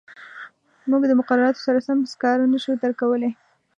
موږ د مقرراتو سره سم سکاره نه شو درکولای.